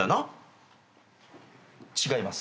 違います。